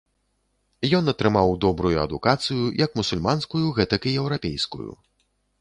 Ён атрымаў добрую адукацыю, як мусульманскую, гэтак і еўрапейскую.